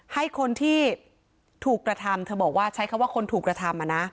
ให้คนที่ถูกกระทำเธอบอกว่าใช้คำว่าคนถูกกระทำ